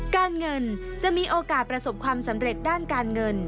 การเงินจะมีโอกาสประสบความสำเร็จด้านการเงิน